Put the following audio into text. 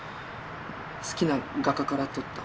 好きな画家から取った。